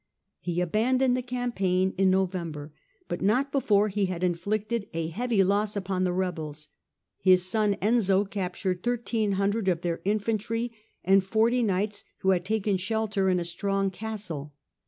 He abandoned the campaign in November, but not before he had inflicted a heavy loss upon the rebels : his son Enzio captured 1300 of their infantry and forty knights who had taken shelter in a strong castle.